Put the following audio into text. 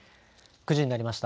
９時になりました。